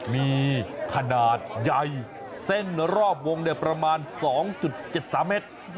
มีขนาดใหญ่เส้นรอบวงประมาณ๒๗๓เมตร